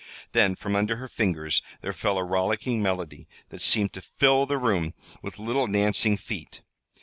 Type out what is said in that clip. Then, from under her fingers there fell a rollicking melody that seemed to fill the room with little dancing feet.